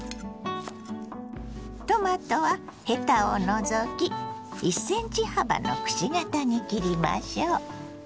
トマトはヘタを除き１ｃｍ幅のくし形に切りましょう。